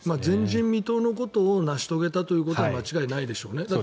前人未到のことを成し遂げたということは間違いないでしょうね。